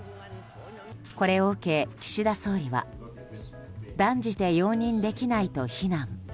これを受け、岸田総理は断じて容認できないと非難。